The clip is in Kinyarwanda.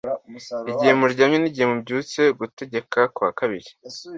igihe muryamye n igihe mubyutse gutegeka kwa kabiri